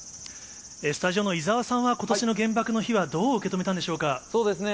スタジオの伊沢さんは、ことしの原爆の日はどう受け止めたんでしょうか。